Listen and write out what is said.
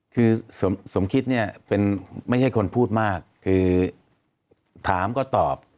คือสมคิดเนี่ยเป็นไม่ใช่คนพูดมากคือถามก็ตอบ